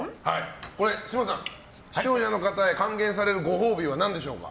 嶋さん、視聴者の方に還元されるご褒美は何でしょうか。